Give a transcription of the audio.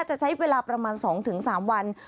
จะใช้เวลาประมาณสองถึงสามวัน